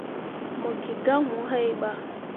Mo gi gah wuu hai bah.